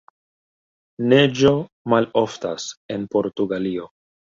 Neĝo maloftas en Portugalio.